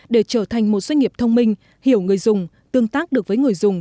để trở thành một doanh nghiệp thông minh hiểu người dùng tương tác được với người dùng